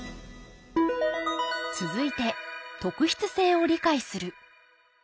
続いて「特筆性を理解する」。